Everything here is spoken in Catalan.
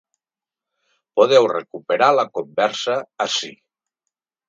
Podeu recuperar la conversa ací.